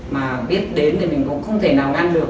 mà biết đến thì mình cũng không thể nào ngăn được